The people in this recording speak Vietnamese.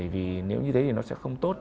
vì nếu như thế thì nó sẽ không tốt